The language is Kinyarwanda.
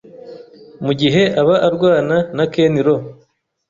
Mu gihe aba arwana na Ken Lo,